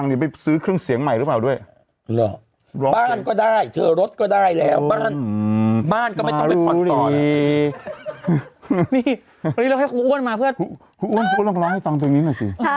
หรือไปซื้อเครื่องเสียงใหม่หรือเปล่าด้วยหรือบ้านก็ได้เธอรถก็ได้แล้วบ้านก็ไม่ต้องมาเพื่อไอ้ฟังตัวนี้น่ะสิ